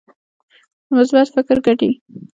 د مثبت فکر ګټې.